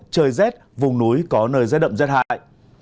trời rét vùng núi có nơi rét đậm rét hại